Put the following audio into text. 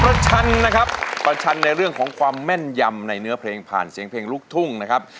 ชันนะครับประชันในเรื่องของความแม่นยำในเนื้อเพลงผ่านเสียงเพลงลูกทุ่งนะครับ